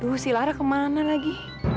duh si lara kemana lagi